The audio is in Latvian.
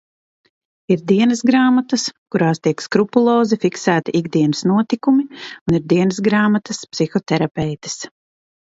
Ir dienasgrāmatas, kurās tiek skrupulozi fiksēti ikdienas notikumi, un ir dienasgrāmatas – psihoterapeites.